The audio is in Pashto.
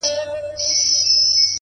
د حقیقت منل د ځواک نښه ده.!